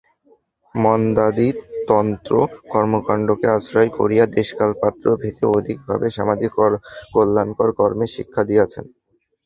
মন্বাদি তন্ত্র কর্মকাণ্ডকে আশ্রয় করিয়া দেশকালপাত্রভেদে অধিকভাবে সামাজিক কল্যাণকর কর্মের শিক্ষা দিয়াছেন।